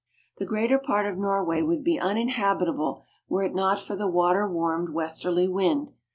The greater part of Norway would be uninhabitable were it not for the water warmed westerly wind.